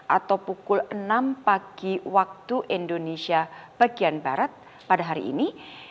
atau pukul enam pagi waktu indonesia bagian barat pada hari ini